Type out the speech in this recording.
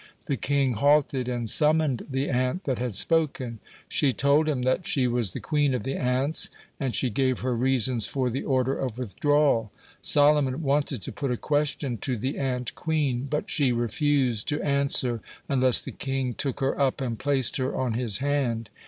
The king halted and summoned the ant that had spoken. She told him that she was the queen of the ants, and she gave her reasons for the order of withdrawal. Solomon wanted to put a question to the ant queen, but she refused to answer unless the king took her up and placed her on his hand.